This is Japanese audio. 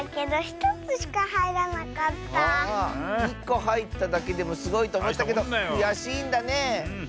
１こはいっただけでもすごいとおもったけどくやしいんだね。